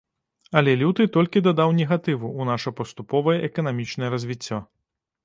Але люты толькі дадаў негатыву ў наша паступовае эканамічнае развіццё.